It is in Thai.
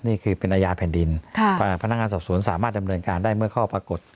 นี่คือเป็นอาญาแผ่นดินพนักงานสอบสวนสามารถดำเนินการได้เมื่อข้อปรากฏ